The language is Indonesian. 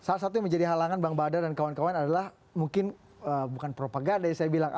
dan yang satu satunya menjadi halangan bank badar dan kawan kawan adalah mungkin bukan propaganda yang saya bilang